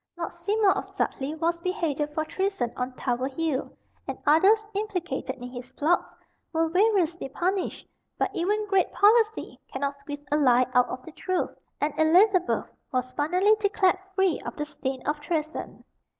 Lord Seymour of Sudleye, was beheaded for treason on Tower Hill, and others, implicated in his plots, were variously punished; but even "great policy" cannot squeeze a lie out of the truth, and Elizabeth was finally declared free of the stain of treason.